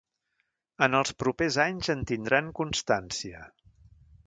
En els propers anys en tindran constància.